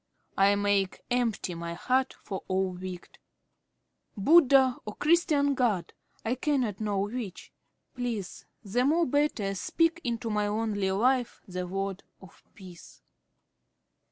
"I make empty my heart of all wicked. Buddha or Christians' God, I no can know which. Please the more better speak into my lonely life the word of peace."